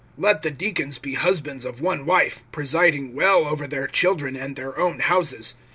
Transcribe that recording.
(12)Let the deacons be husbands of one wife, presiding well over their children and their own houses.